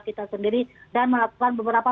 kita sendiri dan melakukan beberapa